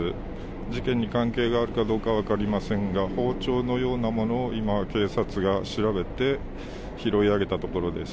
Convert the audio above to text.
事件に関係があるかどうかは分かりませんが包丁のようなものを今、警察が調べて拾い上げたところです。